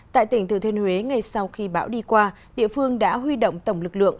tại tỉnh thừa thiên huế ngay sau khi bão đi qua địa phương đã huy động tổng lực lượng